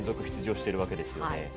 出場しているわけですよね。